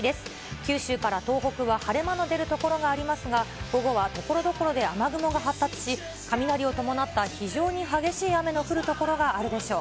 九州から東北は晴れ間の出る所がありますが、午後はところどころで雨雲が発達し、雷を伴った非常に激しい雨の降る所があるでしょう。